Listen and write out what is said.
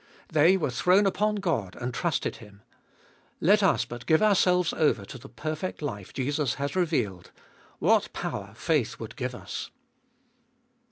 They were thrown upon God and trusted Him. Let us but glue ourselves over to the perfect life Jesus has revealed— what power faith would give us.